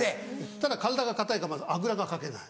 ただ体が硬いからまずあぐらがかけない。